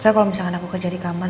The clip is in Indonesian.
saya kalau misalkan aku kerja di kamar